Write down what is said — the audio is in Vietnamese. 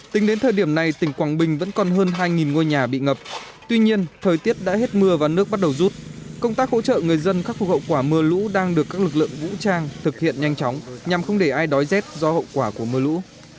tính đến thời điểm này tỉnh quảng bình vẫn còn hơn hai ngôi nhà bị ngập tuy nhiên thời tiết đã hết mưa và nước bắt đầu rút công tác hỗ trợ người dân khắc phục hậu quả mưa lũ đang được các lực lượng vũ trang thực hiện nhanh chóng nhằm không để ai đói rét do hậu quả của mưa lũ